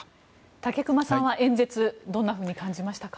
武隈さんは、演説どんなふうに感じましたか？